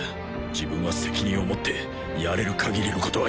自分は責任を持ってやれるかぎりのことはやる